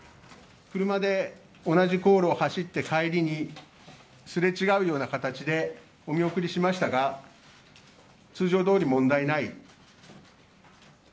車で同じ航路を走って、帰りにすれ違うような形でお見送りしましたが通常どおり、問題ない。